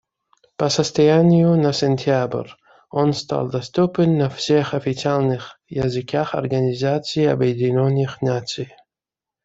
По состоянию на сентябрь он стал доступен на всех официальных языках Организации Объединенных Наций.